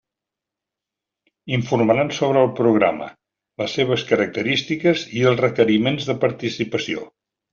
Informaran sobre el programa, les seves característiques i els requeriments de participació.